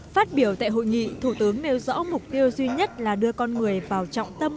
phát biểu tại hội nghị thủ tướng nêu rõ mục tiêu duy nhất là đưa con người vào trọng tâm